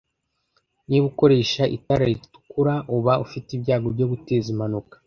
Niba ukoresha itara ritukura, uba ufite ibyago byo guteza impanuka.